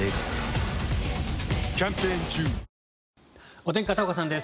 お天気、片岡さんです。